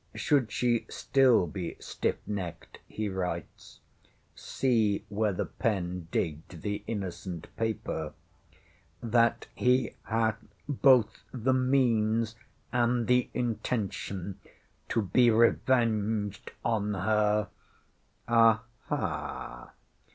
Should she still be stiff necked, he writes see where the pen digged the innocent paper! that he hath both the means and the intention to be revenged on her. Aha!